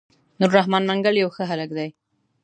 نور رحمن منګل يو ښه هلک دی.